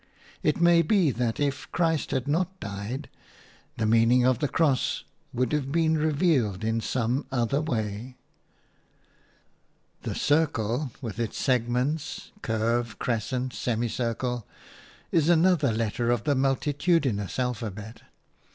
It may be that if Christ had not died, the meaning of the cross would have been revealed in some other way. The circle, with its segments – curve, crescent, semicircle – is another letter of the multitudinous alphabet.